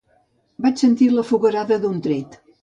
Vaig sentir la foguerada d'un tret